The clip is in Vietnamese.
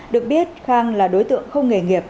được biết khang là đối tượng không nghề nghiệp